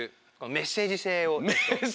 メッセージせい。